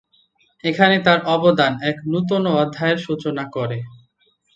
এখানে তার অবদান এক নূতন অধ্যায়ের সূচনা করে।